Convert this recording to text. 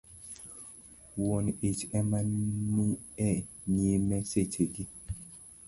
wuon ich ema ne ni e nyime seche gi